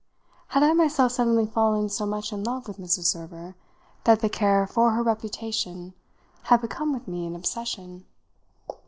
Had I myself suddenly fallen so much in love with Mrs. Server that the care for her reputation had become with me an obsession?